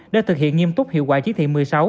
để thực hiện nghiêm túc hiệu quả chỉ thị một mươi sáu